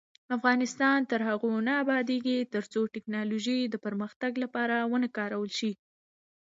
افغانستان تر هغو نه ابادیږي، ترڅو ټیکنالوژي د پرمختګ لپاره ونه کارول شي.